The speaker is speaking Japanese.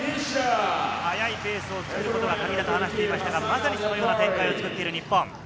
速いペースを作ることがカギだと話していましたが、まさにそのような展開を作っている日本。